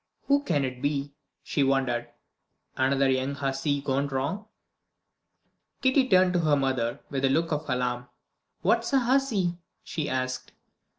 "Who can it be?" she wondered. "Another young hussy gone wrong?" Kitty turned to her mother with a look of alarm. "What's a hussy?" she asked.